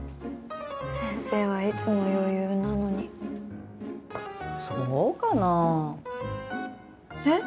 先生はいつも余裕なのにそうかなえっ？